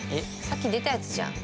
さっき出たやつじゃん。